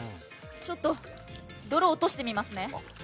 ちょっと泥を落としてみますね。